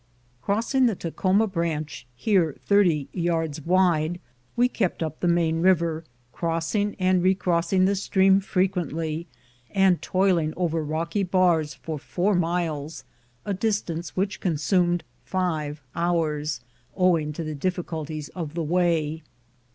Crossing the Takhoma branch, here thirty yards wide, we kept up the main river, crossing and los MOUNT RAINIER recrossing the stream frequently, and toiling over rocky bars for four miles, a distance which consumed five hours, owing to the difficulties of the way.